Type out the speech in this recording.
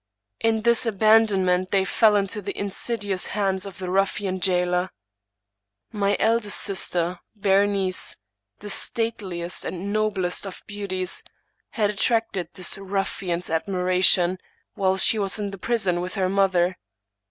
In this abandonment they fell into the insidious hands of the ruffian jailer. My eldest sister, Berenice^ the stateliest and noblest of beauties, had attracted this ruffian's admiration while she was in the prison with her mother.